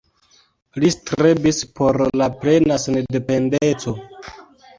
Li strebis por la plena sendependeco.